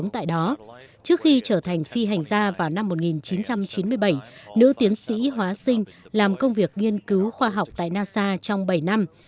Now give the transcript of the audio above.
trước khi trở thành phi hành gia vào năm một nghìn chín trăm chín mươi bảy nữ tiến sĩ hóa sinh làm công việc nghiên cứu khoa học tại nasa trong bảy năm